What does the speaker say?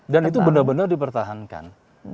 dan itu benar benar dipertahankan